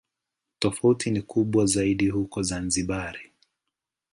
Tofauti ni kubwa zaidi huko Zanzibar.